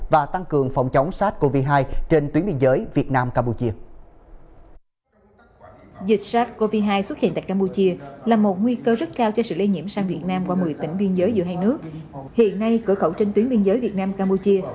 và tăng cường phòng chống sars cov hai trên tuyến biên giới việt nam campuchia